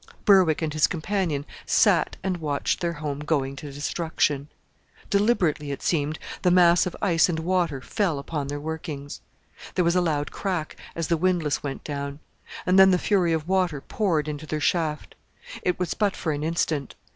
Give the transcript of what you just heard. Berwick and his companion sat and watched their home going to destruction. Deliberately, it seemed, the mass of ice and water fell upon their workings. There was a loud crack as the windlass went down; and then the fury of water poured into their shaft. It was but for an instant.